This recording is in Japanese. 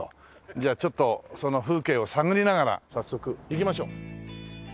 じゃあちょっとその風景を探りながら早速行きましょう。